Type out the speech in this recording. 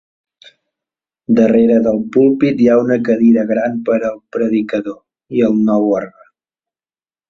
Darrere del púlpit hi ha una cadira gran per al predicador i el nou orgue.